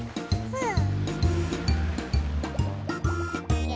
うん！